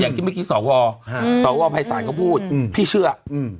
อย่างที่เมื่อกี้สอวอสอวอภัยสายเขาพูดพี่เชื่อ